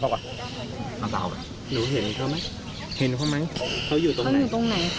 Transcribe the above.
เขาอยู่ตรงไหนเขาอยู่ตรงไหนค่ะ